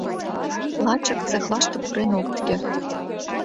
Лачак цехлашке пурен огыт керт.